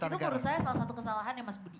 itu menurut saya salah satu kesalahan ya mas budi